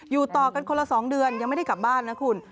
อยู่ต่อกันคนละ๒เดือนยังไม่ได้กลับบ้านนะคุณ